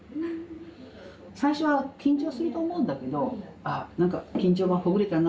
最初は緊張すると思うんだけどあっなんか緊張がほぐれたな